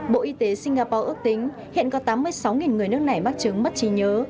bộ y tế singapore ước tính hiện có tám mươi sáu người nước này mắc chứng mất trí nhớ